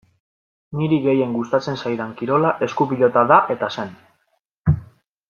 Niri gehien gustatzen zaidan kirola esku-pilota da eta zen.